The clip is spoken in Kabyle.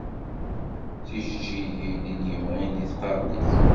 Tijeǧǧigin i d-yemɣin di tqernit.